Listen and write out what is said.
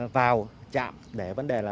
vào trạm để